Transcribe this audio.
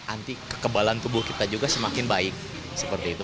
anti kekebalan tubuh kita juga semakin baik seperti itu